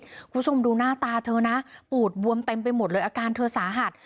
คุณผู้ชมดูหน้าตาเธอนะปูดบวมเต็มไปหมดเลยอาการเธอสาหัส